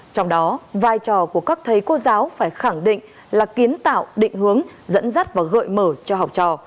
trong đó vai trò của các thầy cô giáo phải khẳng định là kiến tạo định hướng dẫn dắt và gợi mở cho học trò